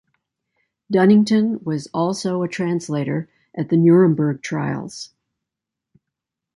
Dunnington was also a translator at the Nuremberg trials.